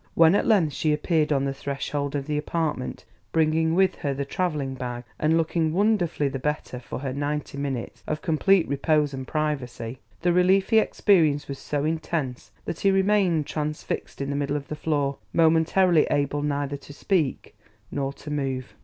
When at length she appeared on the threshold of the apartment, bringing with her the traveling bag and looking wonderfully the better for her ninety minutes of complete repose and privacy, the relief he experienced was so intense that he remained transfixed in the middle of the floor, momentarily able neither to speak nor to move.